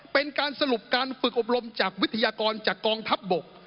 เป็นการสรุปการฝึกอบรมจากวิทยากรจากกองทัพบก